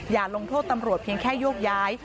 ลงโทษตำรวจเพียงแค่โยกย้าย